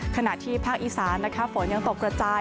ขณะที่ภาคอีสานฝนยังตกกระจาย